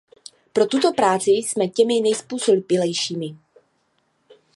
Pro tuto práci jsme těmi nejzpůsobilejšími.